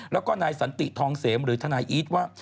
แล้วก็นายสันติทองเสมหรือทนายอีทว่า